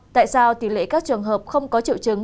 tại sao tỷ lệ các trường hợp không có triệu chứng